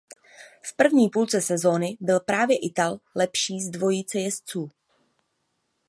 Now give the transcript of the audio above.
V první půlce sezóny byl právě Ital lepší z dvojice jezdců.